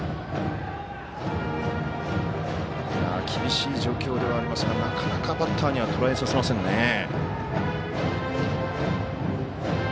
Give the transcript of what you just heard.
厳しい状況ではありますがなかなかバッターにはとらえさせませんね。